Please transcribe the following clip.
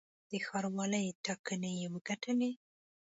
د ښاروالۍ ټاکنې یې وګټلې.